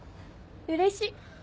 うれしい！